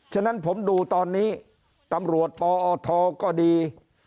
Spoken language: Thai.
ฉะนั้นผมดูตอนนี้ตำรวจปอทก็ดี